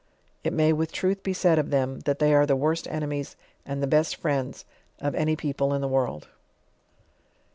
It may with truth be siid of them, that they are the worst enemies, and the best friends of any peopte ia the world.